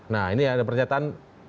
nah ini ada pernyataan